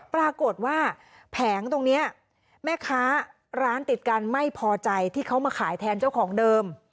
ปรากฏว่าแผงตรงนี้แม่ค้าร้านติดกันไม่พอใจที่เขามาขายแทนเจ้าของเดิม